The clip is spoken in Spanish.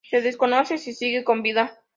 Se desconoce si sigue con vida.